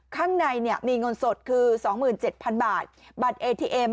ข้างในเนี้ยมีงนสดคือสองหมื่นเจ็ดพันบาทบัตรเอทีเอ็ม